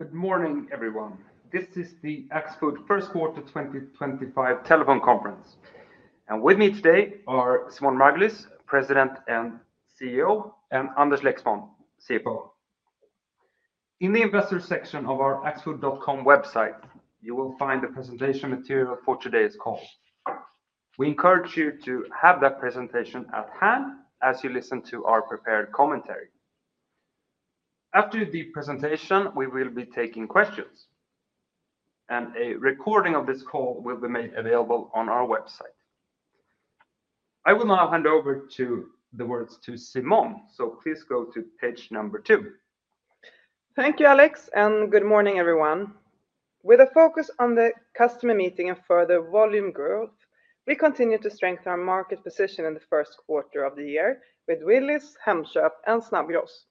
Good morning, everyone. This is the Axfood First Quarter 2025 telephone conference. With me today are Simone Margulies, President and CEO, and Anders Lexmon, CFO. In the investor section of our axfood.com website, you will find the presentation material for today's call. We encourage you to have that presentation at hand as you listen to our prepared commentary. After the presentation, we will be taking questions, and a recording of this call will be made available on our website. I will now hand over the words to Simone, so please go to page number two. Thank you, Alex, and good morning, everyone. With a focus on the customer meeting and further volume growth, we continue to strengthen our market position in the first quarter of the year with Willys, Hemköp, and Snabbgross.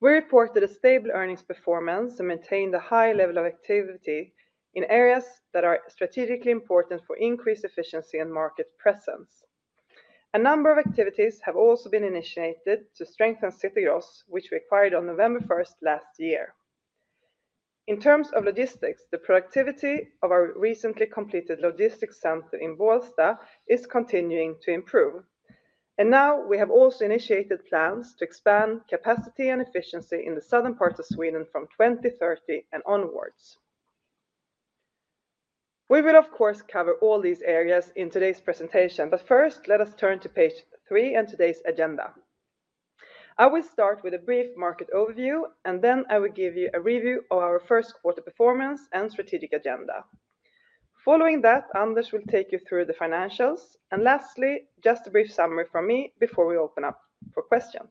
We reported a stable earnings performance and maintained a high level of activity in areas that are strategically important for increased efficiency and market presence. A number of activities have also been initiated to strengthen City Gross, which we acquired on November 1st last year. In terms of logistics, the productivity of our recently completed logistics center in Bålsta is continuing to improve. We have also initiated plans to expand capacity and efficiency in the southern part of Sweden from 2030 and onwards. We will, of course, cover all these areas in today's presentation, but first, let us turn to page three and today's agenda. I will start with a brief market overview, and then I will give you a review of our first quarter performance and strategic agenda. Following that, Anders will take you through the financials. Lastly, just a brief summary from me before we open up for questions.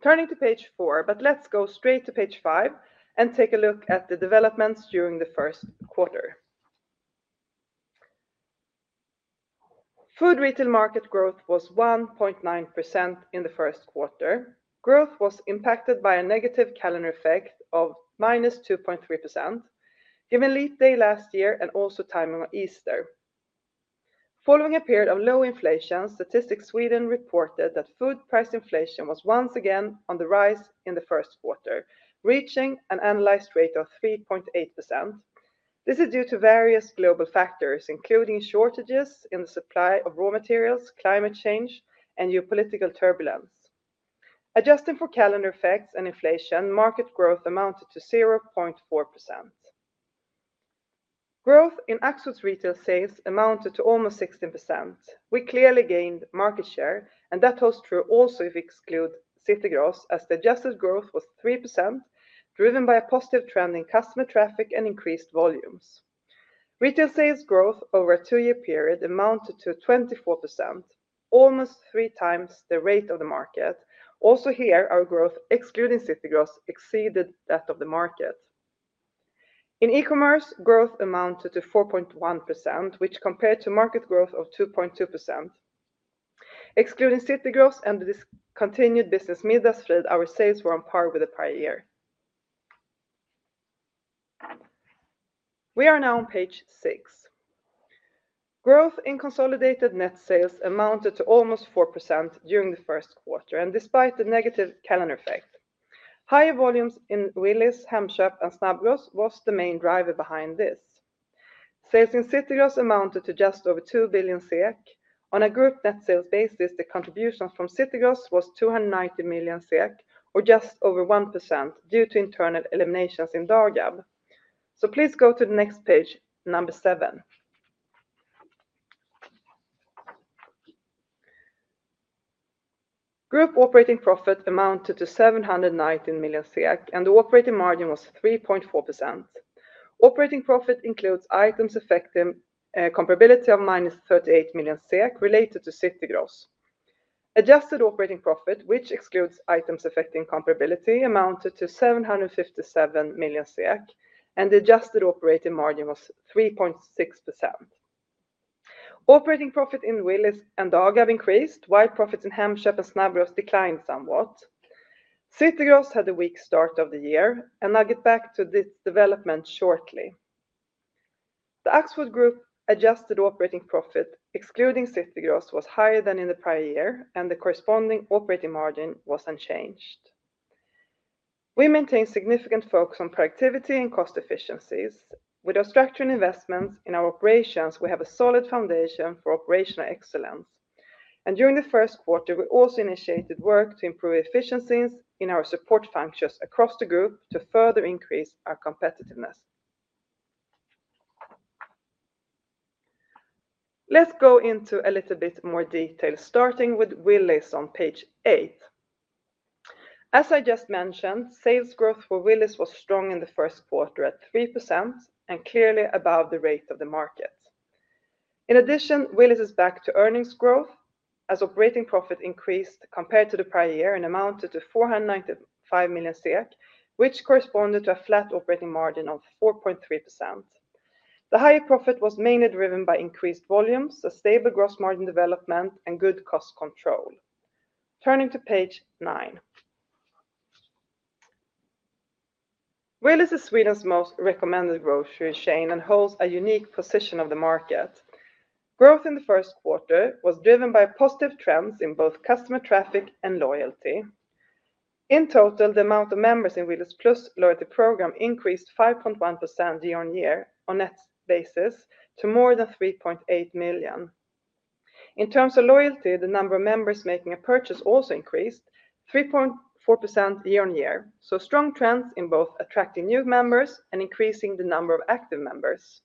Turning to page four, but let's go straight to page five and take a look at the developments during the first quarter. Food retail market growth was 1.9% in the first quarter. Growth was impacted by a negative calendar effect of -2.3%, given Leap Day last year and also timing of Easter. Following a period of low inflation, Statistics Sweden reported that food price inflation was once again on the rise in the first quarter, reaching an annualized rate of 3.8%. This is due to various global factors, including shortages in the supply of raw materials, climate change, and geopolitical turbulence. Adjusting for calendar effects and inflation, market growth amounted to 0.4%. Growth in Axfood's retail sales amounted to almost 16%. We clearly gained market share, and that holds true also if we exclude City Gross, as the adjusted growth was 3%, driven by a positive trend in customer traffic and increased volumes. Retail sales growth over a two-year period amounted to 24%, almost three times the rate of the market. Also here, our growth, excluding City Gross, exceeded that of the market. In e-commerce, growth amounted to 4.1%, which compared to market growth of 2.2%. Excluding City Gross and the discontinued business Middagsfrid, our sales were on par with the prior year. We are now on page six. Growth in consolidated net sales amounted to almost 4% during the first quarter, and despite the negative calendar effect, higher volumes in Willys, Hemköp, and Snabbgross was the main driver behind this. Sales in City Gross amounted to just over 2 billion SEK. On a group net sales basis, the contribution from City Gross was 290 million SEK, or just over 1%, due to internal eliminations in Dagab. Please go to the next page, number seven. Group operating profit amounted to 719 million, and the operating margin was 3.4%. Operating profit includes items affecting comparability of minus 38 million SEK related to City Gross. Adjusted operating profit, which excludes items affecting comparability, amounted to 757 million SEK, and the adjusted operating margin was 3.6%. Operating profit in Willys and Dagab increased, while profits in Hemköp and Snabbgross declined somewhat. City Gross had a weak start of the year. I'll get back to this development shortly. The Axfood Group adjusted operating profit, excluding City Gross, was higher than in the prior year, and the corresponding operating margin was unchanged. We maintain significant focus on productivity and cost efficiencies. With our structured investments in our operations, we have a solid foundation for operational excellence. During the first quarter, we also initiated work to improve efficiencies in our support functions across the group to further increase our competitiveness. Let's go into a little bit more detail, starting with Willys on page eight. As I just mentioned, sales growth for Willys was strong in the first quarter at 3% and clearly above the rate of the market. In addition, Willys is back to earnings growth as operating profit increased compared to the prior year and amounted to 495 million, which corresponded to a flat operating margin of 4.3%. The higher profit was mainly driven by increased volumes, a stable gross margin development, and good cost control. Turning to page nine. Willys is Sweden's most recommended grocery chain and holds a unique position of the market. Growth in the first quarter was driven by positive trends in both customer traffic and loyalty. In total, the amount of members in Willys Plus Loyalty Program increased 5.1% year-on-year on a net basis to more than 3.8 million. In terms of loyalty, the number of members making a purchase also increased 3.4% year-on-year, so strong trends in both attracting new members and increasing the number of active members.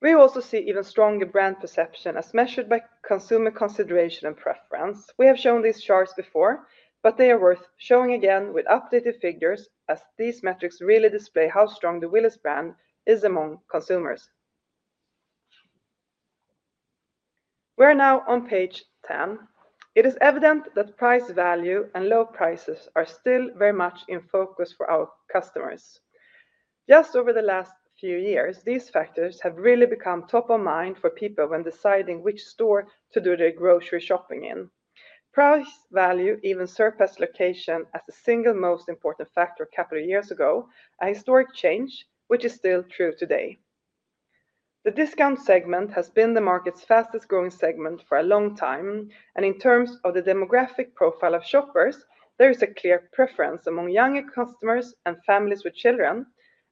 We also see even stronger brand perception as measured by consumer consideration and preference. We have shown these charts before, but they are worth showing again with updated figures as these metrics really display how strong the Willys brand is among consumers. We are now on page 10. It is evident that price value and low prices are still very much in focus for our customers. Just over the last few years, these factors have really become top of mind for people when deciding which store to do their grocery shopping in. Price value even surpassed location as the single most important factor a couple of years ago, a historic change, which is still true today. The discount segment has been the market's fastest growing segment for a long time, and in terms of the demographic profile of shoppers, there is a clear preference among younger customers and families with children,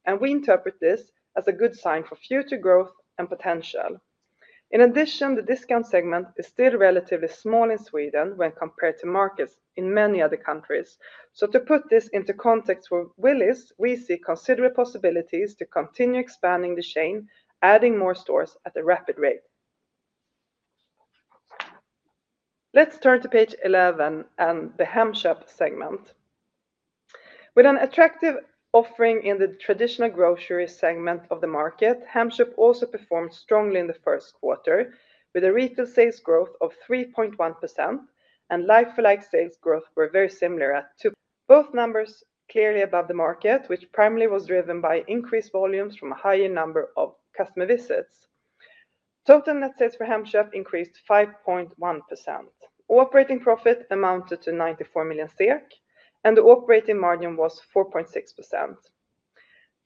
and we interpret this as a good sign for future growth and potential. In addition, the discount segment is still relatively small in Sweden when compared to markets in many other countries. To put this into context for Willys, we see considerable possibilities to continue expanding the chain, adding more stores at a rapid rate. Let's turn to page 11 and the Hemköp segment. With an attractive offering in the traditional grocery segment of the market, Hemköp also performed strongly in the first quarter, with a retail sales growth of 3.1% and like-for-like sales growth were very similar. Both numbers clearly above the market, which primarily was driven by increased volumes from a higher number of customer visits. Total net sales for Hemköp increased 5.1%. Operating profit amounted to 94 million, and the operating margin was 4.6%.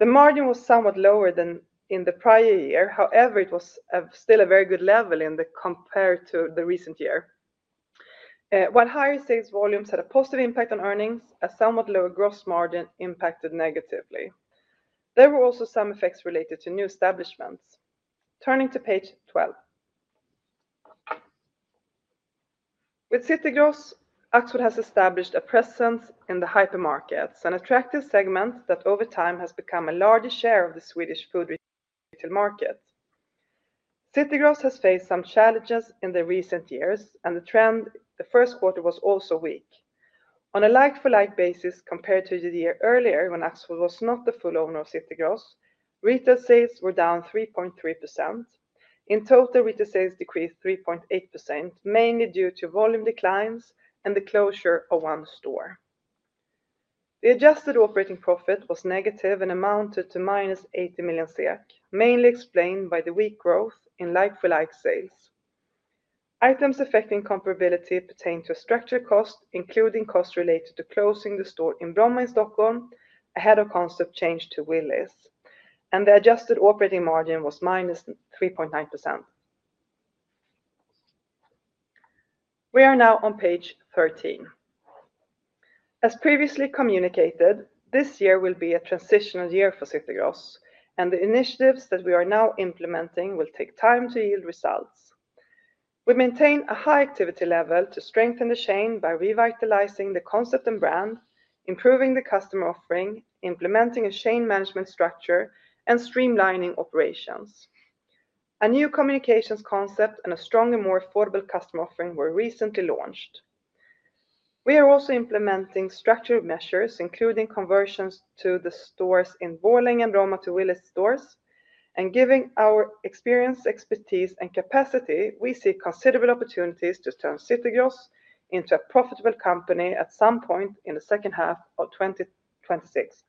The margin was somewhat lower than in the prior year. However, it was still a very good level compared to the recent year. While higher sales volumes had a positive impact on earnings, a somewhat lower gross margin impacted negatively. There were also some effects related to new establishments. Turning to page 12. With City Gross, Axfood has established a presence in the hypermarkets, an attractive segment that over time has become a larger share of the Swedish food retail market. City Gross has faced some challenges in the recent years, and the trend the first quarter was also weak. On a like-for-like basis compared to the year earlier when Axfood was not the full owner of City Gross, retail sales were down 3.3%. In total, retail sales decreased 3.8%, mainly due to volume declines and the closure of one store. The adjusted operating profit was negative and amounted to minus 80 million SEK, mainly explained by the weak growth in like-for-like sales. Items affecting comparability pertained to structured costs, including costs related to closing the store in Bromma in Stockholm, ahead of concept change to Willys, and the adjusted operating margin was -3.9%. We are now on page 13. As previously communicated, this year will be a transitional year for City Gross, and the initiatives that we are now implementing will take time to yield results. We maintain a high activity level to strengthen the chain by revitalizing the concept and brand, improving the customer offering, implementing a chain management structure, and streamlining operations. A new communications concept and a stronger, more affordable customer offering were recently launched. We are also implementing structured measures, including conversions to the stores in Borlänge and Bromma to Willys stores, and given our experience, expertise, and capacity, we see considerable opportunities to turn City Gross into a profitable company at some point in the second half of 2026.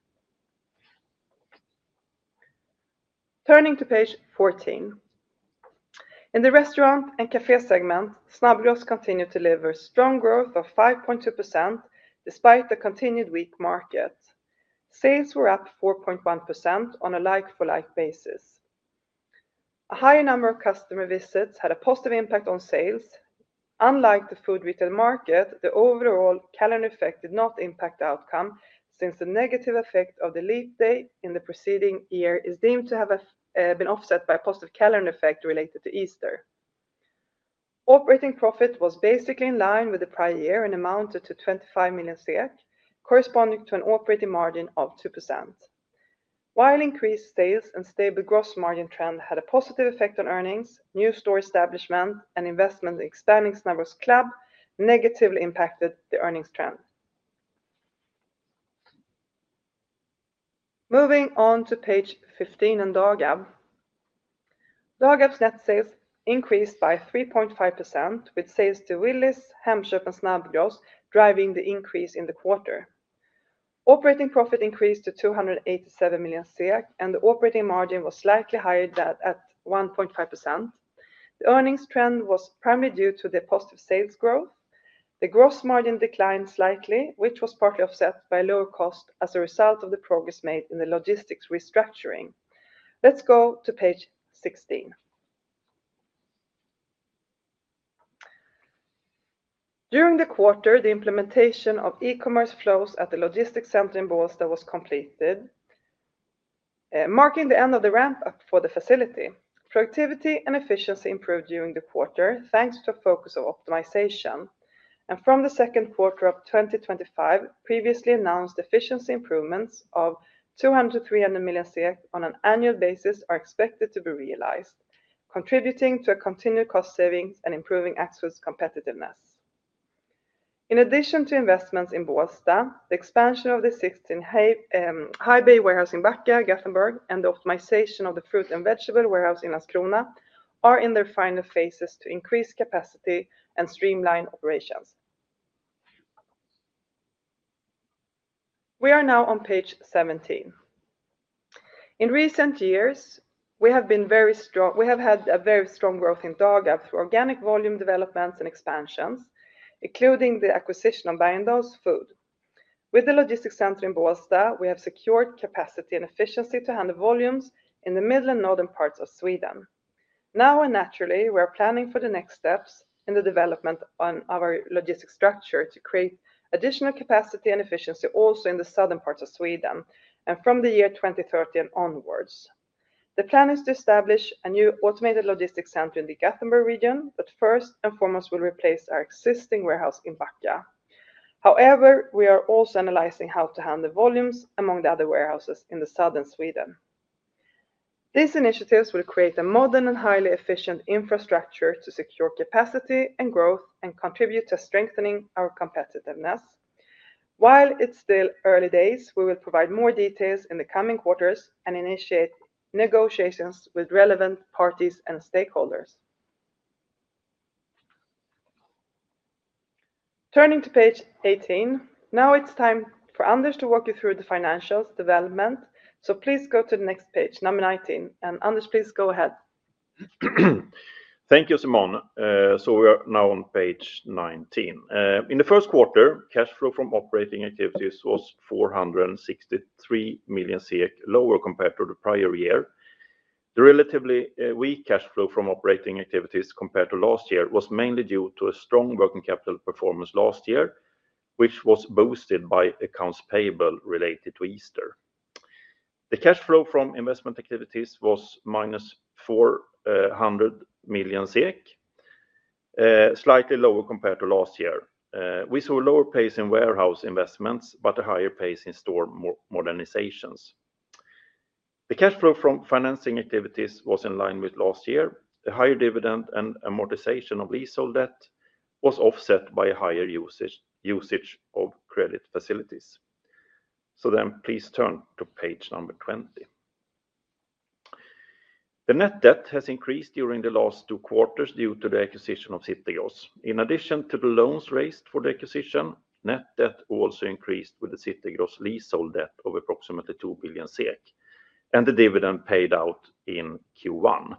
Turning to page 14. In the restaurant and café segment, Snabbgross continued to deliver strong growth of 5.2% despite the continued weak market. Sales were up 4.1% on a like-for-like basis. A higher number of customer visits had a positive impact on sales. Unlike the food retail market, the overall calendar effect did not impact the outcome since the negative effect of the Leap Day in the preceding year is deemed to have been offset by a positive calendar effect related to Easter. Operating profit was basically in line with the prior year and amounted to 25 million, corresponding to an operating margin of 2%. While increased sales and stable gross margin trend had a positive effect on earnings, new store establishment and investment in expanding Snabbgross Club negatively impacted the earnings trend. Moving on to page 15 and Dagab. Dagab's net sales increased by 3.5%, with sales to Willys, Hemköp, and Snabbgross driving the increase in the quarter. Operating profit increased to 287 million SEK, and the operating margin was slightly higher at 1.5%. The earnings trend was primarily due to the positive sales growth. The gross margin declined slightly, which was partly offset by lower costs as a result of the progress made in the logistics restructuring. Let's go to page 16. During the quarter, the implementation of e-commerce flows at the logistics center in Bålsta was completed, marking the end of the ramp-up for the facility. Productivity and efficiency improved during the quarter thanks to a focus on optimization. From the second quarter of 2025, previously announced efficiency improvements of 200 million-300 million SEK on an annual basis are expected to be realized, contributing to continued cost savings and improving Axfood's competitiveness. In addition to investments in Bålsta, the expansion of the existing high-bay warehouse in Backa, Gothenburg, and the optimization of the fruit and vegetable warehouse in Landskrona are in their final phases to increase capacity and streamline operations. We are now on page 17. In recent years, we have been very strong; we have had very strong growth in Dagab through organic volume developments and expansions, including the acquisition of Bergendahls Food. With the logistics center in Bålsta, we have secured capacity and efficiency to handle volumes in the middle and northern parts of Sweden. Now, naturally, we are planning for the next steps in the development of our logistics structure to create additional capacity and efficiency also in the southern parts of Sweden and from the year 2030 and onwards. The plan is to establish a new automated logistics center in the Gothenburg region, which first and foremost will replace our existing warehouse in Backa. However, we are also analyzing how to handle volumes among the other warehouses in southern Sweden. These initiatives will create a modern and highly efficient infrastructure to secure capacity and growth and contribute to strengthening our competitiveness. While it's still early days, we will provide more details in the coming quarters and initiate negotiations with relevant parties and stakeholders. Turning to page 18. Now it's time for Anders to walk you through the financials development, so please go to the next page, number 19, and Anders, please go ahead. Thank you, Simone. We are now on page 19. In the first quarter, cash flow from operating activities was 463 million lower compared to the prior year. The relatively weak cash flow from operating activities compared to last year was mainly due to a strong working capital performance last year, which was boosted by accounts payable related to Easter. The cash flow from investment activities was minus 400 million SEK, slightly lower compared to last year. We saw a lower pace in warehouse investments, but a higher pace in store modernizations. The cash flow from financing activities was in line with last year. A higher dividend and amortization of leasehold debt was offset by a higher usage of credit facilities. Please turn to page number 20. The net debt has increased during the last two quarters due to the acquisition of City Gross. In addition to the loans raised for the acquisition, net debt also increased with the City Gross leasehold debt of approximately 2 billion SEK, and the dividend paid out in Q1.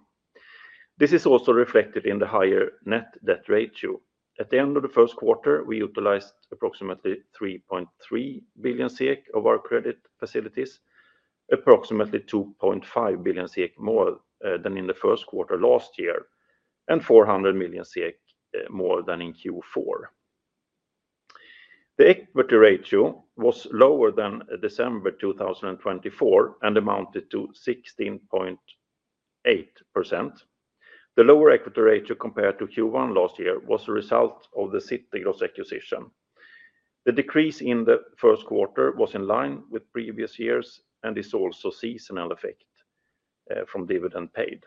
This is also reflected in the higher net debt ratio. At the end of the first quarter, we utilized approximately 3.3 billion SEK of our credit facilities, approximately 2.5 billion SEK more than in the first quarter last year, and 400 million SEK more than in Q4. The equity ratio was lower than December 2024 and amounted to 16.8%. The lower equity ratio compared to Q1 last year was a result of the City Gross acquisition. The decrease in the first quarter was in line with previous years and is also a seasonal effect from dividend paid.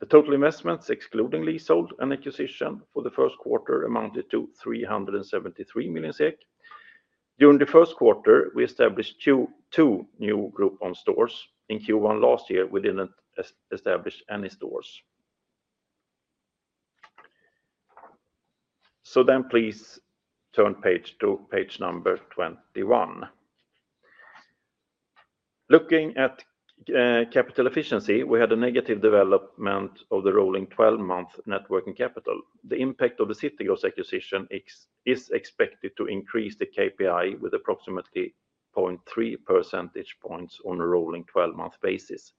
The total investments, excluding leasehold and acquisition for the first quarter, amounted to 373 million SEK. During the first quarter, we established two new group-owned stores. In Q1 last year, we did not establish any stores. Please turn to page number 21. Looking at capital efficiency, we had a negative development of the rolling 12-month net working capital. The impact of the City Gross acquisition is expected to increase the KPI by approximately 0.3 percentage points on a rolling 12-month basis.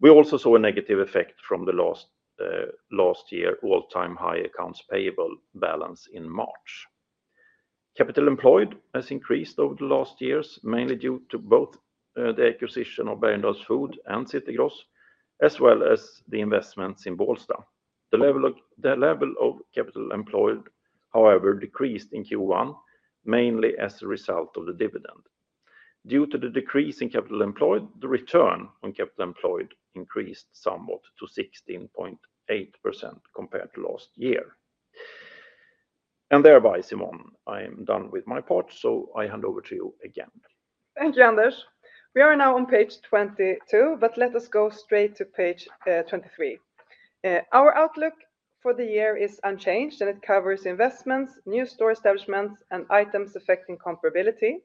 We also saw a negative effect from last year's all-time high accounts payable balance in March. Capital employed has increased over the last years, mainly due to both the acquisition of Bergendahls Food and City Gross, as well as the investments in Bålsta. The level of capital employed, however, decreased in Q1, mainly as a result of the dividend. Due to the decrease in capital employed, the return on capital employed increased somewhat to 16.8% compared to last year. Simone, I am done with my part, so I hand over to you again. Thank you, Anders. We are now on page 22, but let us go straight to page 23. Our outlook for the year is unchanged, and it covers investments, new store establishments, and items affecting comparability.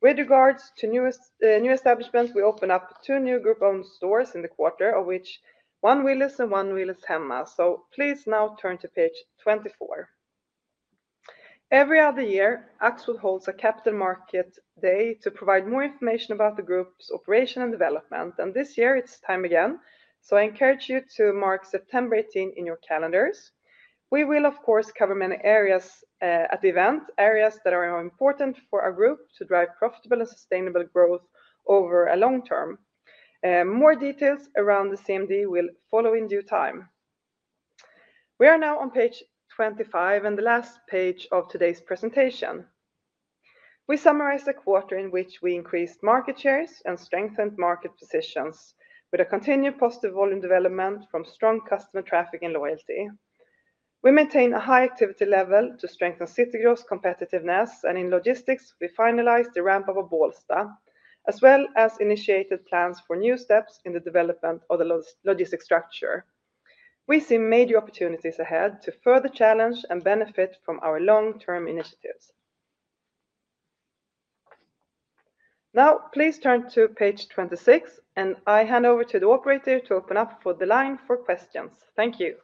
With regards to new establishments, we open up two new group-owned stores in the quarter, of which one Willys and one Hemköp. Please now turn to page 24. Every other year, Axfood holds a Capital Markets Day to provide more information about the group's operation and development, and this year it's time again, so I encourage you to mark September 18 in your calendars. We will, of course, cover many areas at the event, areas that are important for our group to drive profitable and sustainable growth over a long term. More details around the CMD will follow in due time. We are now on page 25 and the last page of today's presentation. We summarize the quarter in which we increased market shares and strengthened market positions, with a continued positive volume development from strong customer traffic and loyalty. We maintain a high activity level to strengthen City Gross' competitiveness, and in logistics, we finalized the ramp-up of Bålsta, as well as initiated plans for new steps in the development of the logistics structure. We see major opportunities ahead to further challenge and benefit from our long-term initiatives. Now, please turn to page 26, and I hand over to the operator to open up the line for questions. Thank you.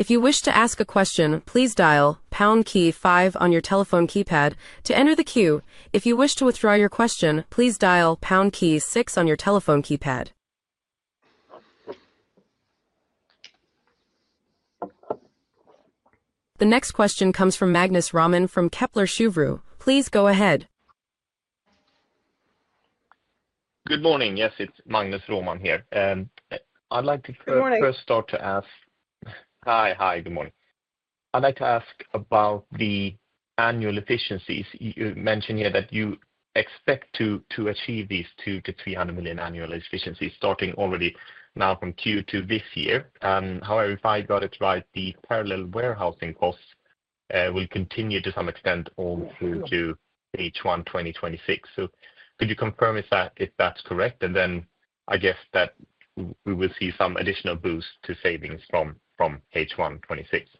If you wish to ask a question, please dial #5 on your telephone keypad to enter the queue. If you wish to withdraw your question, please dial #6 on your telephone keypad. The next question comes from Magnus Råman from Kepler Cheuvreux. Please go ahead. Good morning. Yes, it's Magnus Råman here. I'd like to first start to ask—Hi. Hi. Good morning. I'd like to ask about the annual efficiencies you mentioned here that you expect to achieve these 200 million-300 million annual efficiencies starting already now from Q2 this year. However, if I got it right, the parallel warehousing costs will continue to some extent on through to H1 2026. Could you confirm if that's correct? I guess that we will see some additional boost to savings from H1 2026.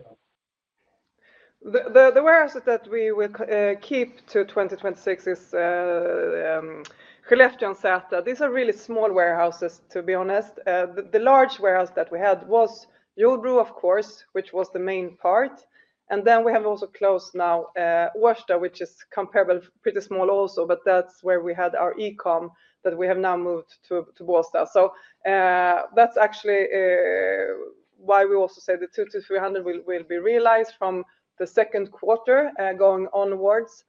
The warehouse that we will keep to 2026 is Skellefteå and Säter. These are really small warehouses, to be honest. The large warehouse that we had was Jordbro, of course, which was the main part. We have also closed now Årsta, which is comparable, pretty small also, but that's where we had our e-commerce that we have now moved to Bålsta. That's actually why we also say the 200 million-300 million will be realized from the second quarter going onwards.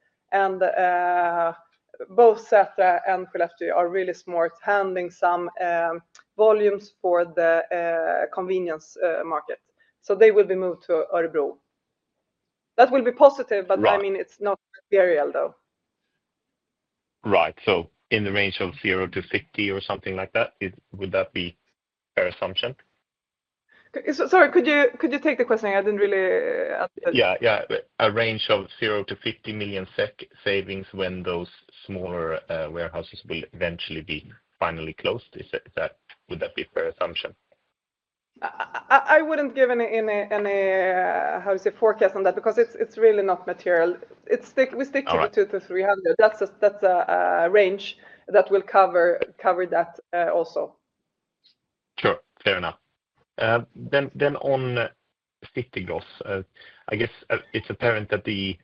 Both Säter and Skellefteå are really smart handling some volumes for the convenience market. They will be moved to Örebro. That will be positive, but I mean, it's not material, though. Right. In the range of 0-50 or something like that, would that be a fair assumption? Sorry, could you take the question? I didn't really—Yeah, yeah. A range of 0-50 million SEK savings when those smaller warehouses will eventually be finally closed, would that be a fair assumption? I wouldn't give any forecast on that because it's really not material. We stick to the 200-300 million. That's a range that will cover that also. Sure. Fair enough. Then on City Gross, I guess it's apparent that the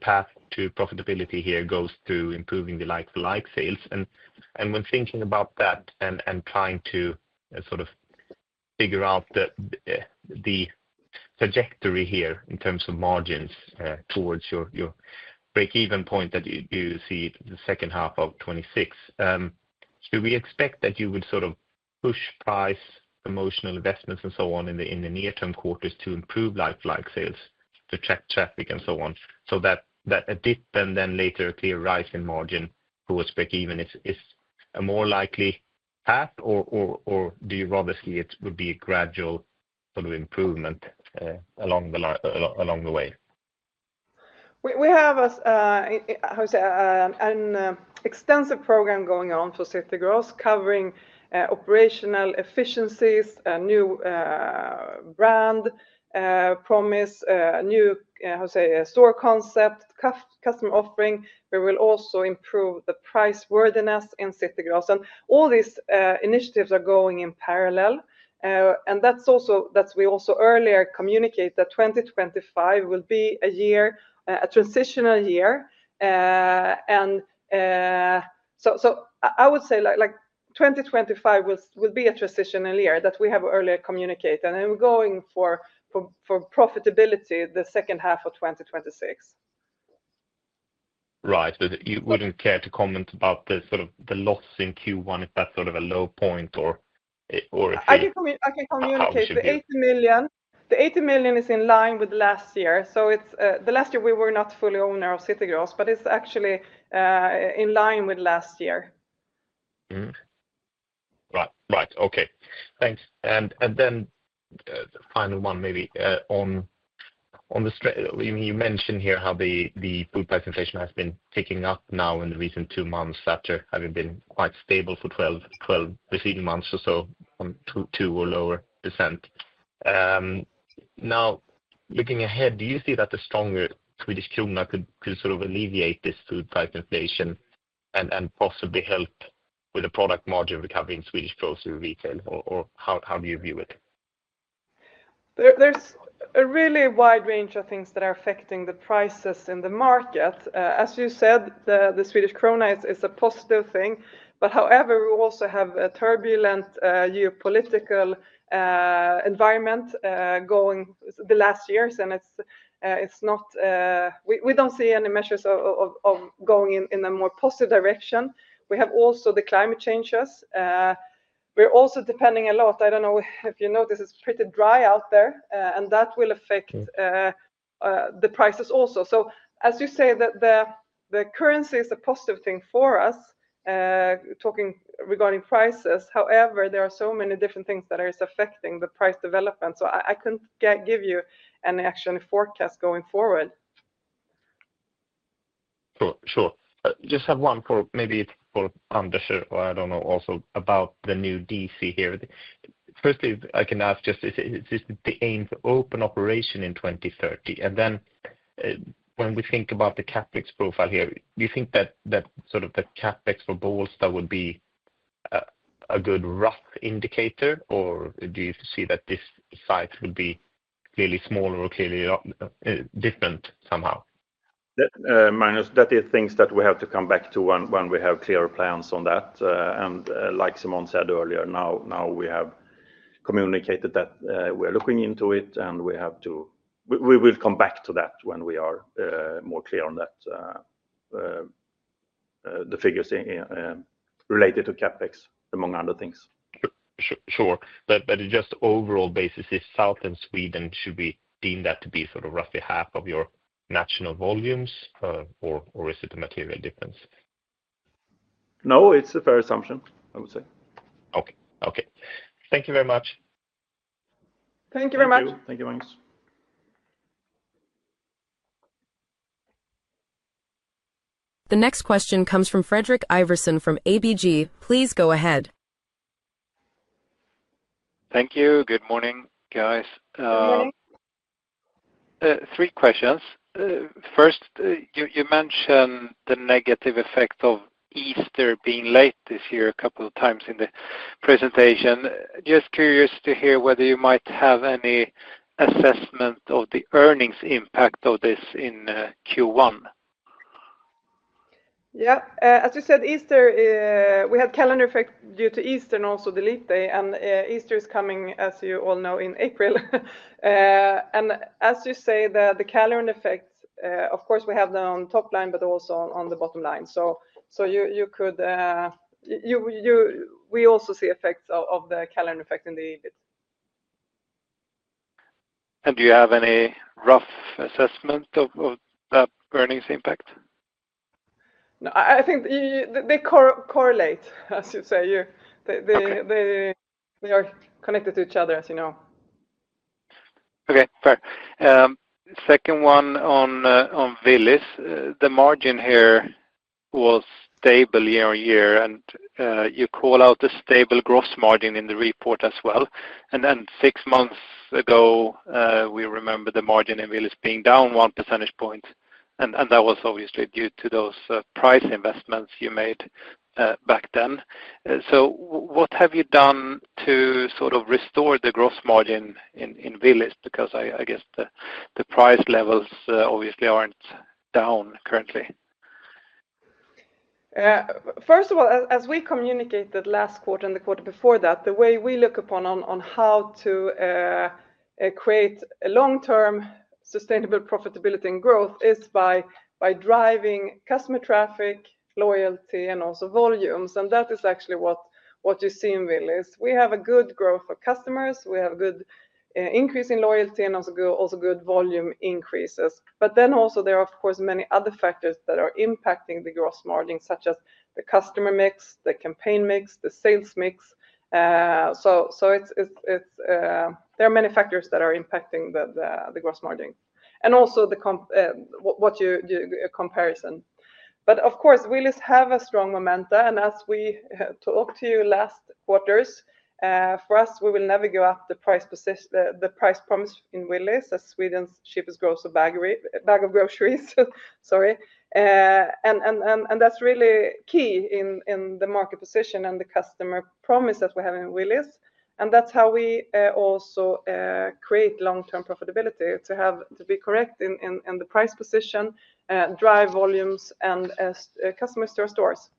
path to profitability here goes through improving the like-for-like sales. When thinking about that and trying to sort of figure out the trajectory here in terms of margins towards your break-even point that you see the second half of 2026, do we expect that you would sort of push price, promotional investments, and so on in the near-term quarters to improve like-for-like sales, to track traffic and so on, so that a dip and then later a clear rise in margin towards break-even is a more likely path, or do you rather see it would be a gradual sort of improvement along the way? We have an extensive program going on for City Gross covering operational efficiencies, a new brand promise, a new store concept, customer offering. We will also improve the price worthiness in City Gross. All these initiatives are going in parallel. We also earlier communicated that 2025 will be a transitional year. I would say 2025 will be a transitional year that we have earlier communicated, and we're going for profitability the second half of 2026. Right. You wouldn't care to comment about the loss in Q1 if that's sort of a low point or if you— I can communicate. The 80 million is in line with last year. Last year, we were not fully owner of City Gross, but it's actually in line with last year. Right. Right. Okay. Thanks. The final one, maybe on the—you mentioned here how the food price inflation has been ticking up now in the recent two months after having been quite stable for 12 preceding months or so on 2% or lower. Now, looking ahead, do you see that the stronger Swedish krona could sort of alleviate this food price inflation and possibly help with the product margin recovery in Swedish grocery retail? How do you view it? There's a really wide range of things that are affecting the prices in the market. As you said, the Swedish krona is a positive thing. However, we also have a turbulent geopolitical environment going the last years, and it's not—we don't see any measures of going in a more positive direction. We have also the climate changes. We're also depending a lot. I don't know if you noticed it's pretty dry out there, and that will affect the prices also. As you say, the currency is a positive thing for us, talking regarding prices. However, there are so many different things that are affecting the price development, so I couldn't give you an action forecast going forward. Sure. Just have one for maybe for Anders or I don't know also about the new DC here. Firstly, I can ask just is the aim to open operation in 2030? And then when we think about the CapEx profile here, do you think that sort of the CapEx for Bålsta would be a good rough indicator, or do you see that this site would be clearly smaller or clearly different somehow? Magnus, that is things that we have to come back to when we have clearer plans on that. Like Simone said earlier, now we have communicated that we are looking into it, and we will come back to that when we are more clear on the figures related to CapEx, among other things. Sure. On an overall basis, is Southern Sweden—should we deem that to be sort of roughly half of your national volumes, or is it a material difference? No, it is a fair assumption, I would say. Okay. Thank you very much. Thank you very much. Thank you, Magnus. The next question comes from Fredrik Ivarsson from ABG. Please go ahead. Thank you. Good morning, guys. Good morning. Three questions. First, you mentioned the negative effect of Easter being late this year a couple of times in the presentation. Just curious to hear whether you might have any assessment of the earnings impact of this in Q1. Yeah. As you said, Easter, we had calendar effect due to Easter and also the leap day, and Easter is coming, as you all know, in April. As you say, the calendar effect, of course, we have them on top line, but also on the bottom line. We also see effects of the calendar effect in the EBIT. Do you have any rough assessment of that earnings impact? I think they correlate, as you say. They are connected to each other, as you know. Okay. Fair. Second one on Willys. The margin here was stable year-on-year, and you call out the stable gross margin in the report as well. Six months ago, we remember the margin in Willys being down one percentage point, and that was obviously due to those price investments you made back then. What have you done to sort of restore the gross margin in Willys? Because I guess the price levels obviously are not down currently. First of all, as we communicated last quarter and the quarter before that, the way we look upon how to create long-term sustainable profitability and growth is by driving customer traffic, loyalty, and also volumes. That is actually what you see in Willys. We have a good growth of customers. We have a good increase in loyalty and also good volume increases. There are, of course, many other factors that are impacting the gross margin, such as the customer mix, the campaign mix, the sales mix. There are many factors that are impacting the gross margin, and also what you comparison. Of course, Willys have a strong momenta. As we talked to you last quarters, for us, we will never go up the price promise in Willys as Sweden's cheapest gross bag of groceries. Sorry. That is really key in the market position and the customer promise that we have in Willys. That is how we also create long-term profitability to be correct in the price position, drive volumes, and customers to our stores.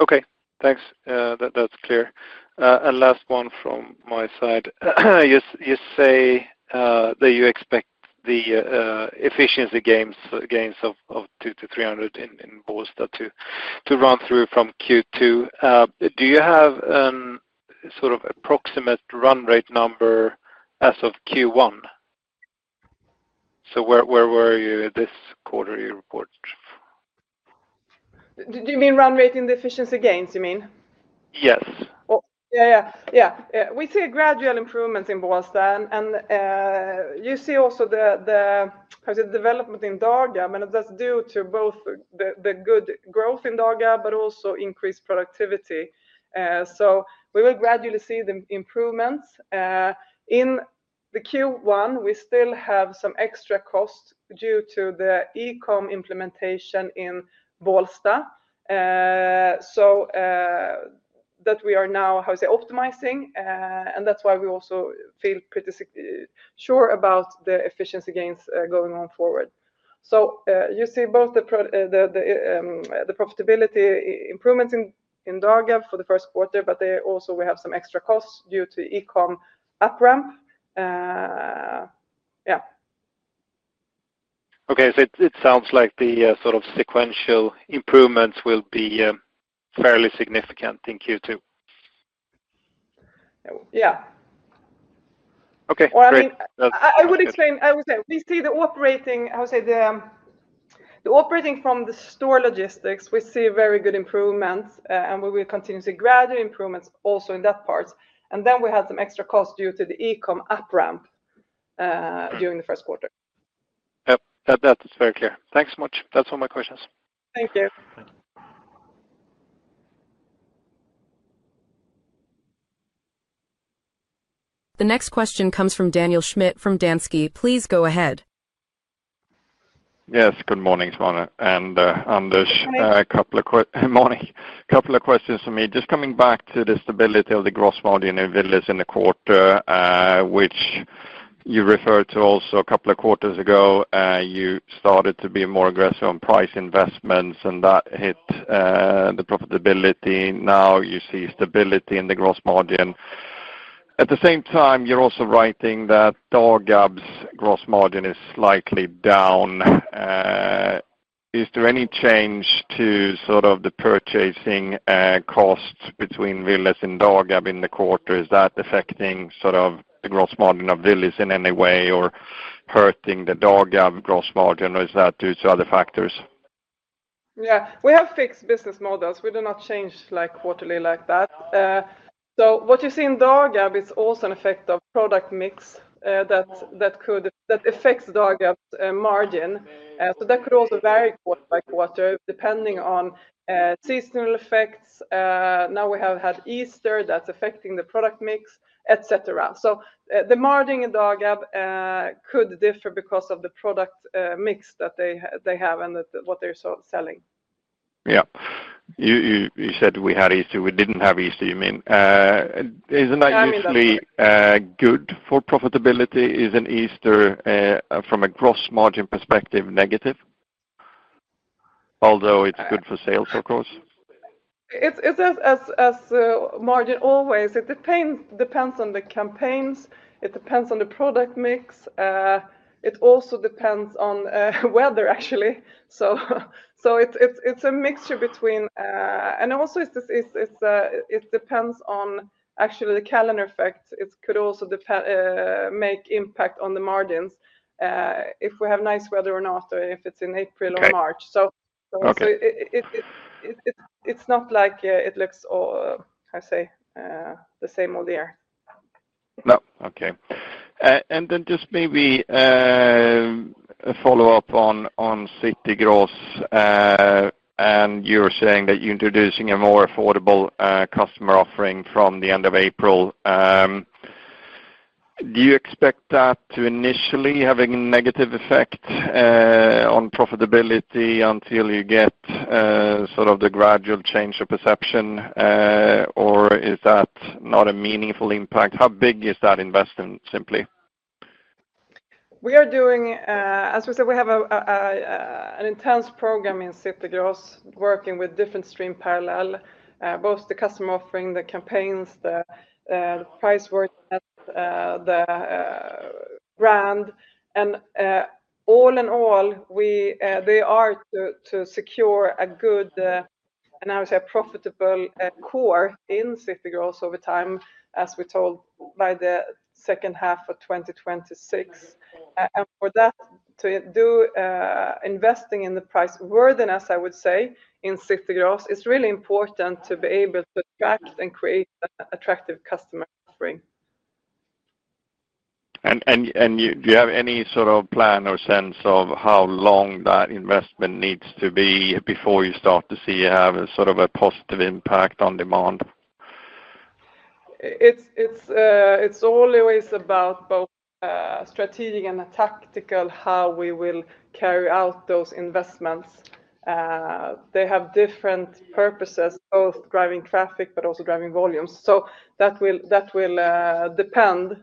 Okay. Thanks. That is clear. Last one from my side. You say that you expect the efficiency gains of 200 million-300 million in Bålsta to run through from Q2. Do you have a sort of approximate run rate number as of Q1? Where were you this quarter report? Do you mean run rate in the efficiency gains, you mean? Yes. Yeah, yeah. We see a gradual improvement in Bålsta. You see also the development in Dagab, but that is due to both the good growth in Dagab, but also increased productivity. We will gradually see the improvements. In the Q1, we still have some extra costs due to the e-commerce implementation in Bålsta. We are now optimizing, and that's why we also feel pretty sure about the efficiency gains going forward. You see both the profitability improvements in Dagab for the first quarter, but also we have some extra costs due to e-commerce upramp. Yeah. Okay. It sounds like the sort of sequential improvements will be fairly significant in Q2. Yeah. Okay. I would explain. I would say we see the operating from the store logistics, we see very good improvements, and we will continue to see gradual improvements also in that part. We had some extra costs due to the e-commerce upramp during the first quarter. Yep. That is very clear. Thanks so much. That's all my questions. Thank you. The next question comes from Daniel Schmidt from Danske. Please go ahead. Yes. Good morning, Simone. And Anders, a couple of questions for me. Just coming back to the stability of the gross margin in Willys in the quarter, which you referred to also a couple of quarters ago, you started to be more aggressive on price investments, and that hit the profitability. Now you see stability in the gross margin. At the same time, you're also writing that Dagab's gross margin is slightly down. Is there any change to sort of the purchasing costs between Willys and Dagab in the quarter? Is that affecting sort of the gross margin of Willys in any way or hurting the Dagab gross margin, or is that due to other factors? Yeah. We have fixed business models. We do not change quarterly like that. So what you see in Dagab, it's also an effect of product mix that affects Dagab's margin. That could also vary quarter by quarter depending on seasonal effects. Now we have had Easter that's affecting the product mix, etc. The margin in Dagab could differ because of the product mix that they have and what they're selling. Yeah. You said we had Easter. We didn't have Easter, you mean. Isn't that usually good for profitability? Is an Easter from a gross margin perspective negative, although it's good for sales, of course? It's as margin always. It depends on the campaigns. It depends on the product mix. It also depends on weather, actually. It's a mixture between. Also, it depends on actually the calendar effect. It could also make impact on the margins if we have nice weather or not, or if it's in April or March. It's not like it looks, how do you say, the same all year. No. Okay. Just maybe a follow-up on City Gross. You're saying that you're introducing a more affordable customer offering from the end of April. Do you expect that to initially have a negative effect on profitability until you get sort of the gradual change of perception, or is that not a meaningful impact? How big is that investment, simply? We are doing, as we said, we have an intense program in City Gross working with different streams in parallel, both the customer offering, the campaigns, the price work, the brand. All in all, they are to secure a good, and I would say, profitable core in City Gross over time, as we're told by the second half of 2026. For that to do, investing in the price worthiness, I would say, in City Gross is really important to be able to attract and create an attractive customer offering. Do you have any sort of plan or sense of how long that investment needs to be before you start to see sort of a positive impact on demand? It's always about both strategic and tactical how we will carry out those investments. They have different purposes, both driving traffic but also driving volumes. That will depend.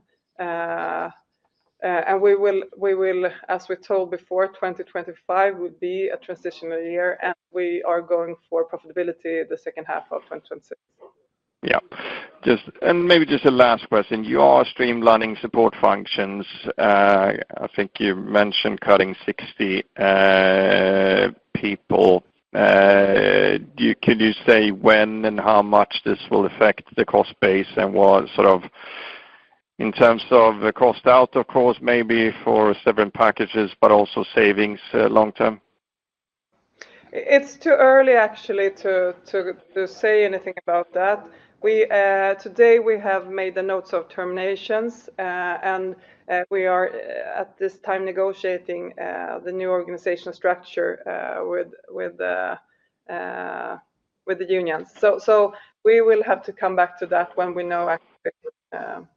We will, as we told before, 2025 will be a transition year, and we are going for profitability the second half of 2026. Yeah. Maybe just a last question. You are streamlining support functions. I think you mentioned cutting 60 people. Can you say when and how much this will affect the cost base and what sort of in terms of the cost out, of course, maybe for certain packages, but also savings long term? It's too early, actually, to say anything about that. Today, we have made the notes of terminations, and we are at this time negotiating the new organization structure with the unions. We will have to come back to that when we know, actually.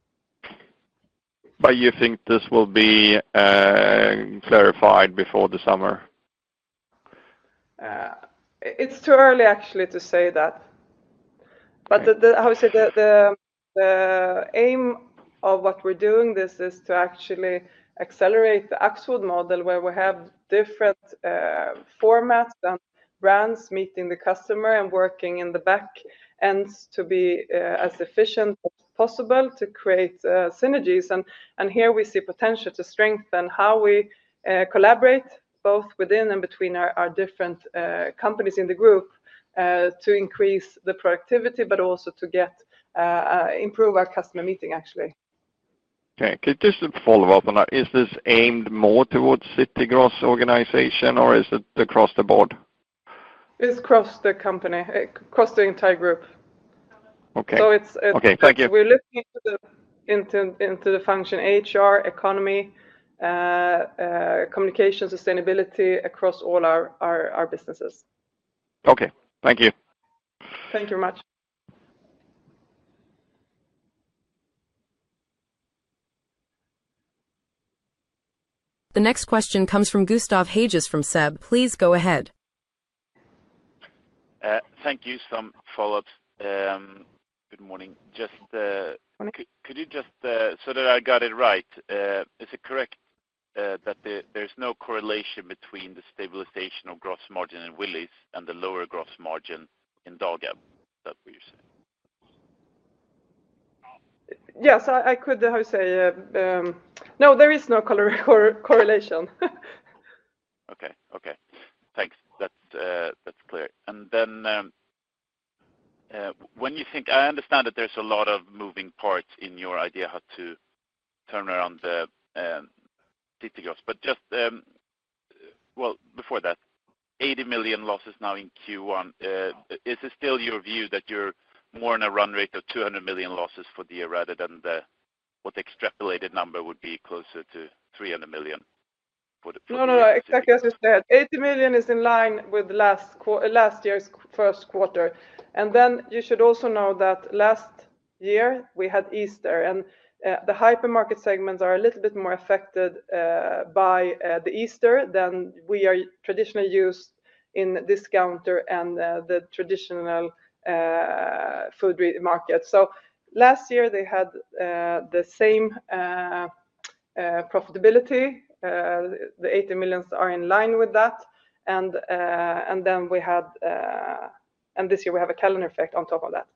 You think this will be clarified before the summer? It's too early, actually, to say that. How I say, the aim of what we're doing this is to actually accelerate the Axfood model where we have different formats and brands meeting the customer and working in the back ends to be as efficient as possible to create synergies. Here we see potential to strengthen how we collaborate both within and between our different companies in the group to increase the productivity, but also to improve our customer meeting, actually. Okay. Just a follow-up on that. Is this aimed more towards City Gross organization, or is it across the board? It's across the company, across the entire group. It's across the— Okay. Thank you. We're looking into the function HR, economy, communication, sustainability across all our businesses. Okay. Thank you. Thank you very much. The next question comes from Gustav Hagéus from SEB. Please go ahead. Thank you for some follow-ups. Good morning. Could you just so that I got it right, is it correct that there's no correlation between the stabilization of gross margin in Willys and the lower gross margin in Dagab that we're seeing? Yes. I could, how you say, no, there is no correlation. Okay. Thanks. That's clear. When you think I understand that there's a lot of moving parts in your idea how to turn around the City Gross. Just, before that, 80 million losses now in Q1. Is it still your view that you're more in a run rate of 200 million losses for the year rather than what the extrapolated number would be closer to 300 million? No, no, no. Exactly as you said. 80 million is in line with last year's first quarter. You should also know that last year we had Easter, and the hypermarket segments are a little bit more affected by Easter than we are traditionally used in discounter and the traditional food market. Last year, they had the same profitability. The 80 million are in line with that. We had, and this year we have a calendar effect on top of that.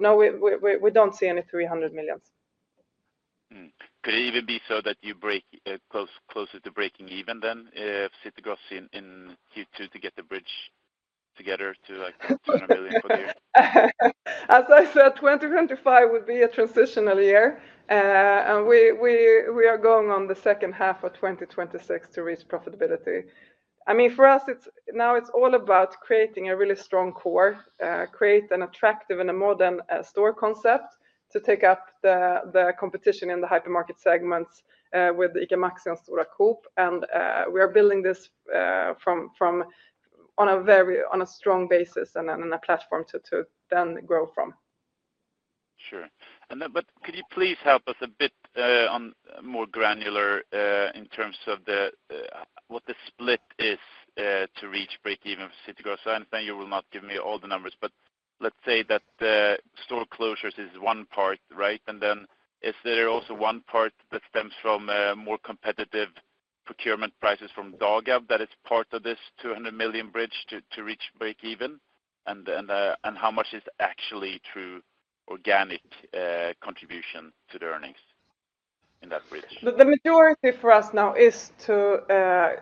No, we do not see any 300 million. Could it even be so that you are closer to breaking even than City Gross in Q2 to get the bridge together to 200 million for the year? As I said, 2025 will be a transitional year, and we are going on the second half of 2026 to reach profitability. I mean, for us, now it is all about creating a really strong core, create an attractive and a modern store concept to take up the competition in the hypermarket segments with ICA Maxi and Stora Coop. We are building this on a very strong basis and then a platform to then grow from. Sure. Could you please help us a bit more granular in terms of what the split is to reach break-even for City Gross? I understand you will not give me all the numbers, but let's say that store closures is one part, right? Is there also one part that stems from more competitive procurement prices from Dagab that is part of this 200 million bridge to reach break-even? How much is actually true organic contribution to the earnings in that bridge? The majority for us now is to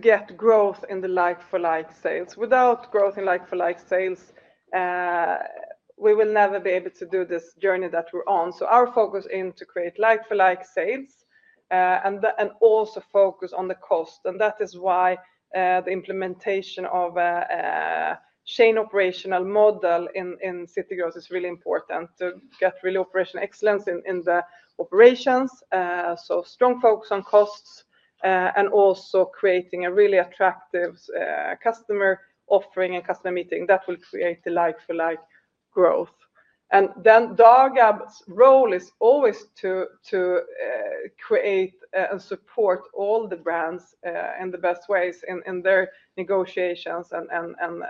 get growth in the like-for-like sales. Without growth in like-for-like sales, we will never be able to do this journey that we're on. Our focus is to create like-for-like sales and also focus on the cost. That is why the implementation of a chain operational model in City Gross is really important to get really operational excellence in the operations. There is strong focus on costs and also creating a really attractive customer offering and customer meeting that will create the like-for-like growth. Dagab's role is always to create and support all the brands in the best ways in their negotiations and,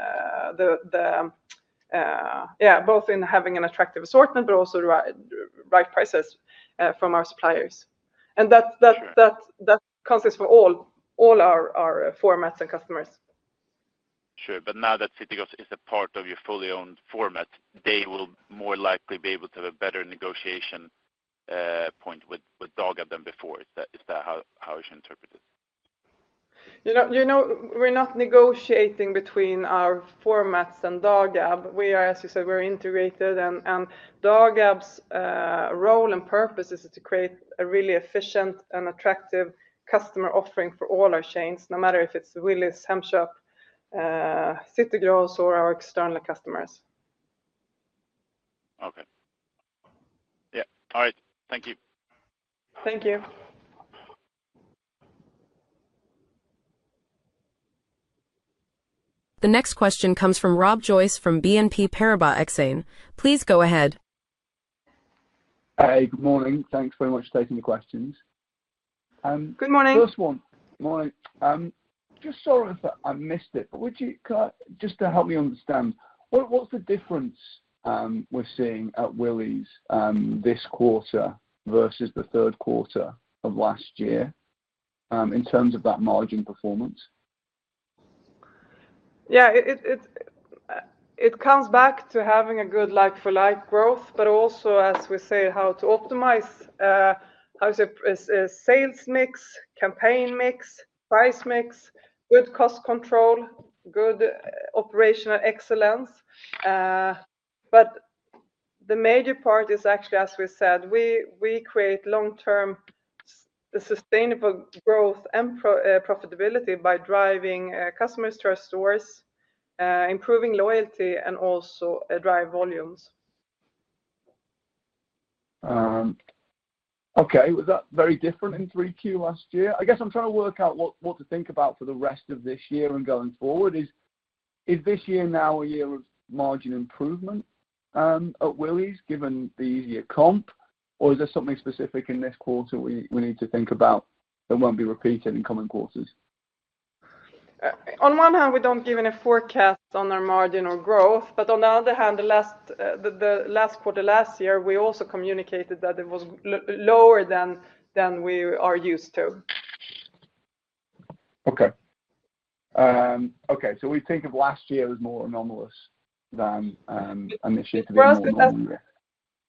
yeah, both in having an attractive assortment, but also right prices from our suppliers. That consists for all our formats and customers. Sure. Now that City Gross is a part of your fully owned format, they will more likely be able to have a better negotiation point with Dagab than before. Is that how you should interpret it? You know, we're not negotiating between our formats and Dagab. We are, as you said, we're integrated, and Dagab's role and purpose is to create a really efficient and attractive customer offering for all our chains, no matter if it's Willys, Hemköp, City Gross, or our external customers. Okay. Yeah. All right. Thank you. Thank you. The next question comes from Rob Joyce from BNP Paribas Exane. Please go ahead. Hey, good morning. Thanks very much for taking the questions. Good morning. First one. Good morning. Sorry if I missed it, but would you just to help me understand, what's the difference we're seeing at Willys this quarter versus the third quarter of last year in terms of that margin performance? Yeah. It comes back to having a good like-for-like growth, but also, as we say, how to optimize, how you say, sales mix, campaign mix, price mix, good cost control, good operational excellence. The major part is actually, as we said, we create long-term sustainable growth and profitability by driving customers to our stores, improving loyalty, and also drive volumes. Okay. Was that very different in three Q last year? I guess I'm trying to work out what to think about for the rest of this year and going forward. Is this year now a year of margin improvement at Willys given the easier comp, or is there something specific in this quarter we need to think about that won't be repeated in coming quarters? On one hand, we don't give any forecast on our margin or growth, but on the other hand, the last quarter last year, we also communicated that it was lower than we are used to. Okay. Okay. We think of last year as more anomalous than initially to be anomalous.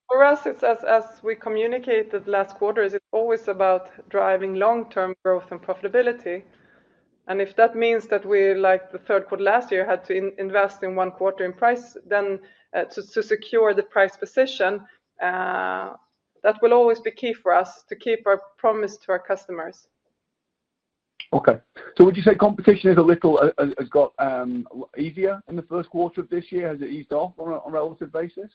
For us, it's as we communicated last quarter, it's always about driving long-term growth and profitability. If that means that we, like the third quarter last year, had to invest in one quarter in price to secure the price position, that will always be key for us to keep our promise to our customers. Okay. So would you say competition has got easier in the first quarter of this year? Has it eased off on a relative basis?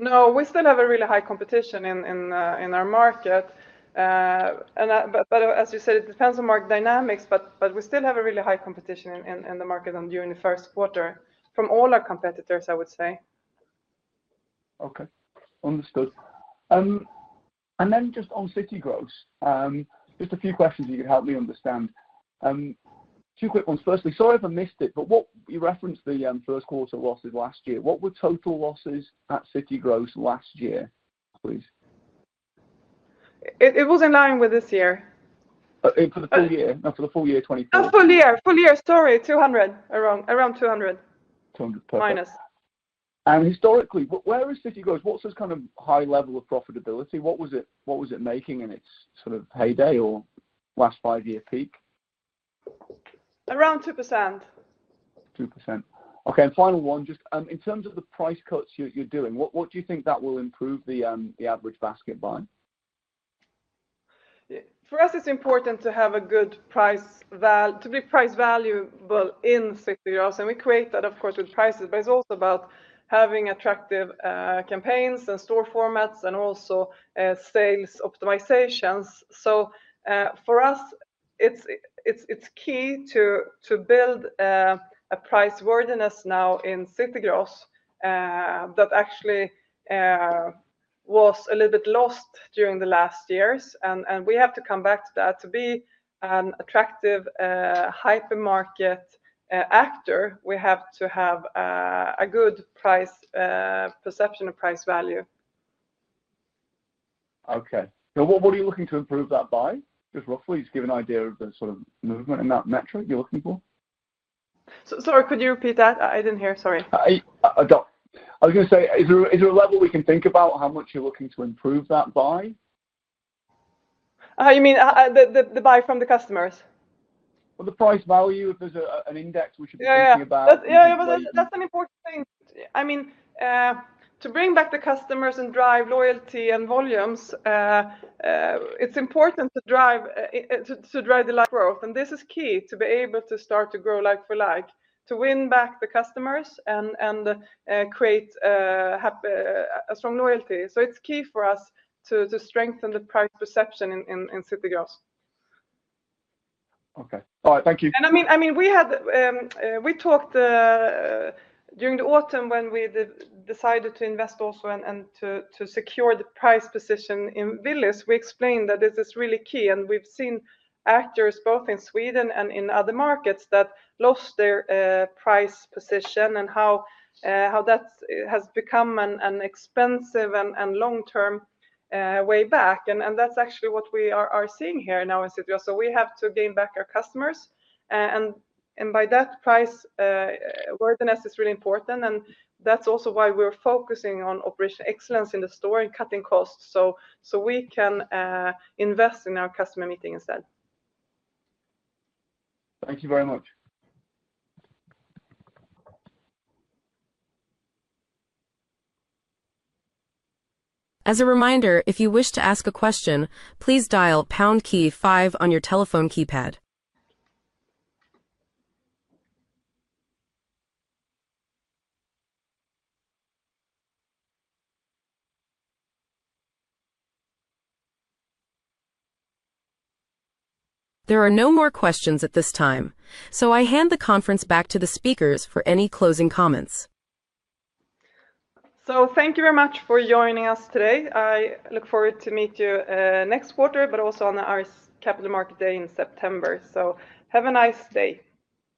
No, we still have a really high competition in our market. As you said, it depends on market dynamics, but we still have a really high competition in the market during the first quarter from all our competitors, I would say. Okay. Understood. Just on City Gross, just a few questions you could help me understand. Two quick ones. Firstly, sorry if I missed it, but you referenced the first quarter losses last year. What were total losses at City Gross last year, please? It was in line with this year. For the full year? No, for the full year 2024. Full year. Full year. Sorry. 200 million. Around 200 million. 200 million. Perfect. Minus. Historically, where is City Gross? What's its kind of high level of profitability? What was it making in its sort of heyday or last five-year peak? Around 2%. Two percent. Okay. Final one, just in terms of the price cuts you're doing, what do you think that will improve the average basket by? For us, it's important to have a good price value, to be price valuable in City Gross. We create that, of course, with prices, but it's also about having attractive campaigns and store formats and also sales optimizations. For us, it's key to build a price worthiness now in City Gross that actually was a little bit lost during the last years. We have to come back to that. To be an attractive hypermarket actor, we have to have a good perception of price value. Okay. What are you looking to improve that by? Just roughly, just give an idea of the sort of movement in that metric you're looking for. Sorry, could you repeat that? I didn't hear. Sorry. I was going to say, is there a level we can think about how much you're looking to improve that by? You mean the buy from the customers? Well, the price value, if there's an index we should be thinking about. Yeah. Yeah. That's an important thing. I mean, to bring back the customers and drive loyalty and volumes, it's important to drive the growth. This is key to be able to start to grow like-for-like, to win back the customers and create a strong loyalty. It is key for us to strengthen the price perception in City Gross. Okay. All right. Thank you. I mean, we talked during the autumn when we decided to invest also and to secure the price position in Willys. We explained that this is really key. We have seen actors both in Sweden and in other markets that lost their price position and how that has become an expensive and long-term way back. That is actually what we are seeing here now in City Gross. We have to gain back our customers. By that, price worthiness is really important. That is also why we are focusing on operational excellence in the store and cutting costs so we can invest in our customer meeting instead. Thank you very much. As a reminder, if you wish to ask a question, please dial #5 on your telephone keypad. There are no more questions at this time, so I hand the conference back to the speakers for any closing comments. Thank you very much for joining us today. I look forward to meeting you next quarter, but also on the Axfood Capital Markets Day in September. Have a nice day.